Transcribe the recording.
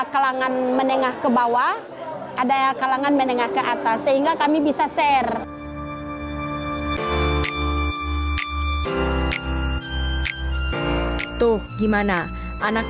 kalangan menengah ke bawah ada kalangan menengah ke atas sehingga kami bisa share tuh gimana anak